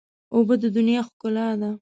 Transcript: اوبه د دنیا ښکلا ده.